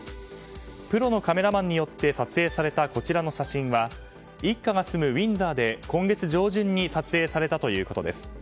プロのカメラマンによって撮影されたこちらの写真は一家が住むウィンザーで今月上旬に撮影されたということです。